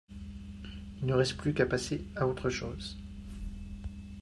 Il ne reste plus qu'à passer à autre chose